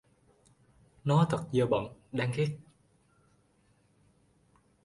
Nói thật dơ bẩn đáng ghét